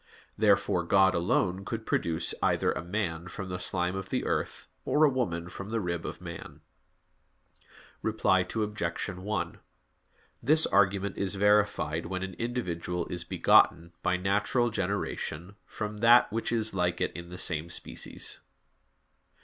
Therefore God alone could produce either a man from the slime of the earth, or a woman from the rib of man. Reply Obj. 1: This argument is verified when an individual is begotten, by natural generation, from that which is like it in the same species.